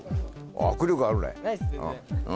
握力あるね。